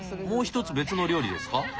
もう一つ別の料理ですか？